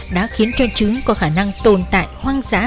đã khiến cho trứng có khả năng tồn tại hoang dã